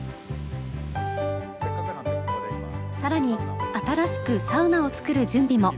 更に新しくサウナを作る準備も。